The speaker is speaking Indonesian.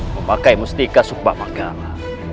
memakai mustika subah magala